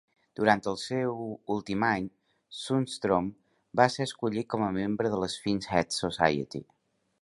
Durant el seu últim any, Sundstrom va ser escollit com a membre de la Sphinx Head Society.